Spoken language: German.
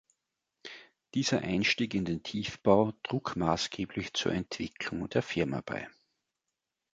Dieser Einstieg in den Tiefbau trug massgeblich zur Entwicklung der Firma bei.